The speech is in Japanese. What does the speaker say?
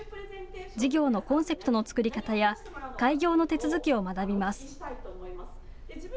事業のコンセプトの作り方や開業の手続きを学びます。